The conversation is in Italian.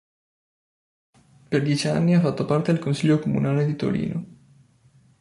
Per dieci anni ha fatto parte del consiglio comunale di Torino.